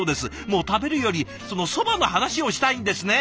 もう食べるよりそのそばの話をしたいんですね。